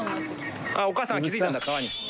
お母さんは気づいたんだ川に。